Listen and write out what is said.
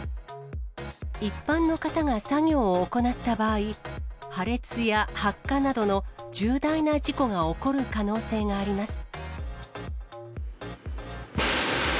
一般の方が作業を行った場合、破裂や発火などの重大な事故が起こる可能性があります。